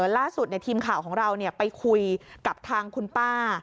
ล่าสุดเนี่ยทีมข่าวของเราเนี่ยไปคุยกับทางคุณป้า